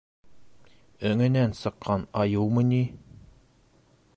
Өңөнән сыҡҡан айыумы ни?!